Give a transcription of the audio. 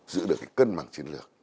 giữ được cái cân bằng chiến lược